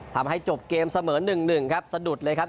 ทำให้จบเกมเสมอ๑๑ครับสะดุดเลยครับ